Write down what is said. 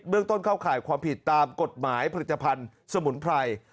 เรื่องต้นเข้าข่ายความผิดตามกฎหมายผลิตภัณฑ์สมุนไพร